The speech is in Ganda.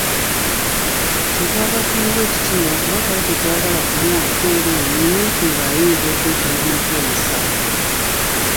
Kye twava tumuwa ekiti lwakuba twali tetwagala kumuwa nkumbi yennyini anti ng’ayinza okwetema n’ajja omusaayi.